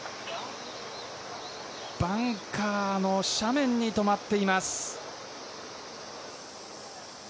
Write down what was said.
バンカーの斜面に止まっています。